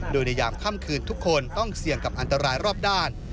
โดยในยามค่ำคืนทุกคนต้องเสี่ยงกับอันตรายรอบด้าน